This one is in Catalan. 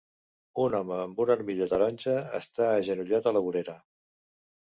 Un home amb una armilla taronja està agenollat a la vorera